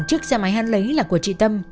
chiếc xe máy hăn lấy là của chị tâm